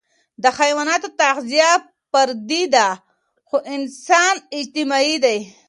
د حيواناتو تغذیه فردي ده، خو انسان اجتماعي دی.